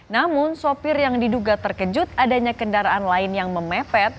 namun sopir yang diduga terkejut adanya kendaraan lain yang memepet